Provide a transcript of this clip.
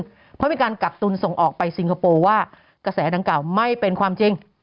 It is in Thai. เพราะมีการกักตุนส่งออกไปซิงคโปร์ว่ากระแสดังกล่าวไม่เป็นความจริง